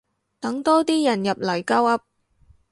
等多啲人入嚟鳩噏